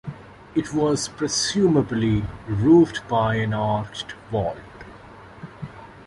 It was presumably roofed by an arched vault.